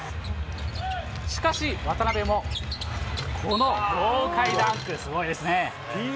しかし、渡邊もこの豪快ダンク、すごいですね。